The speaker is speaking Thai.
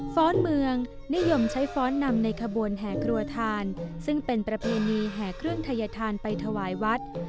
้อนเมืองนิยมใช้ฟ้อนนำในขบวนแห่ครัวทานซึ่งเป็นประเพณีแห่เครื่องทัยธานไปถวายวัด